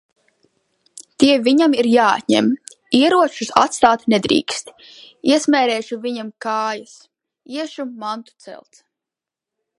Tie viņam ir jāatņem. Ieročus atstāt nedrīkst. Iesmērēšu viņiem kājas! Iešu mantu celt.